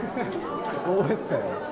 覚えてたよ。